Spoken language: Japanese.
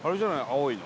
青いの。